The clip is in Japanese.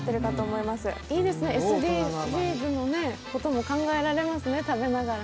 いいですね、ＳＤＧｓのことも考えられますね、食べながら。